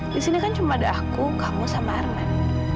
di sini kan cuma ada aku kamu sama arman